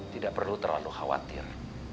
tidak perlu terlalu khawatir